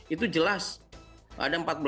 itu jelas ada empat belas